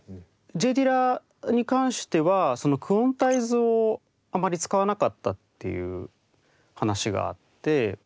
Ｊ・ディラに関してはそのクオンタイズをあまり使わなかったっていう話があって。